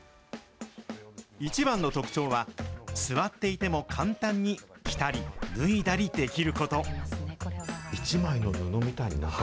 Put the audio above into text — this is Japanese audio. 一番の特徴は、座っていても簡単に着たり、脱いだりできること。